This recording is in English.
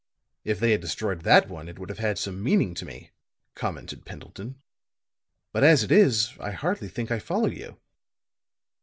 "If they had destroyed that one it would have had some meaning to me," commented Pendleton. "But, as it is, I hardly think I follow you."